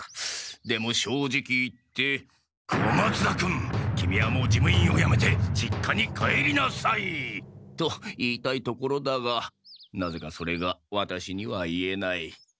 でも正直言って小松田君キミはもう事務員をやめて実家に帰りなさい！と言いたいところだがなぜかそれがワタシには言えない。